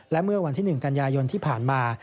และเมื่อวันที่๑กันยายนที่ผ่านมา